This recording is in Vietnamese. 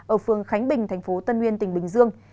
ở phường khánh bình tp tân nguyên tỉnh bình dương